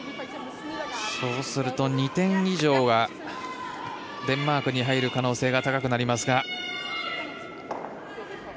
そうすると２点以上がデンマークに入る可能性が高くなりますが。